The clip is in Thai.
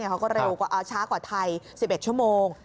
เขาก็เร็วช้ากว่าไทย๑๑ชั่วโมง